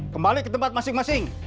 kembali ke tempat masing masing